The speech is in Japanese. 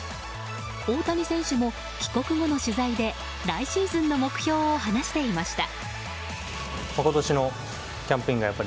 大谷選手も帰国後の取材で来シーズンの目標を話していました。